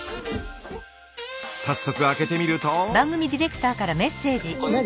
早速開けてみると。